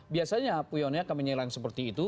biasanya puyo akan menyerang seperti itu